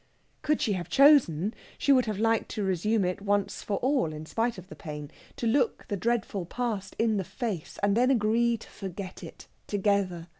Could she have chosen, she would have liked to resume it once for all, in spite of the pain to look the dreadful past in the face, and then agree to forget it together.